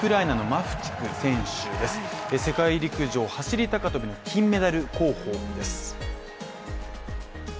世界陸上、走り高跳びの金メダル候補です。